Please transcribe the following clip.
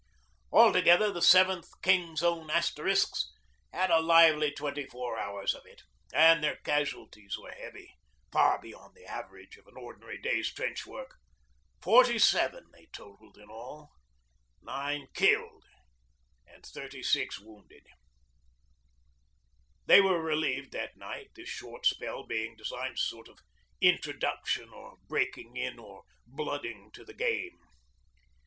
Altogether, the 7th King's Own Asterisks had a lively twenty four hours of it, and their casualties were heavy, far beyond the average of an ordinary day's trench work. Forty seven they totalled in all nine killed and thirty six wounded. They were relieved that night, this short spell being designed as a sort of introduction or breaking in or blooding to the game.